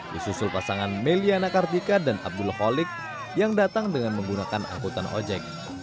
disusul pasangan meliana kartika dan abdul kholik yang datang dengan menggunakan angkutan ojek